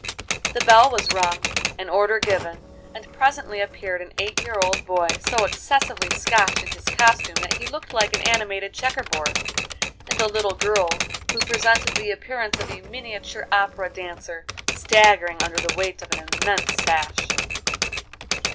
A bell was rung, an order given, and presently appeared an eight year old boy, so excessively Scotch in his costume that he looked like an animated checkerboard; and a little girl, who presented the appearance of a miniature opera dancer staggering under the weight of an immense sash.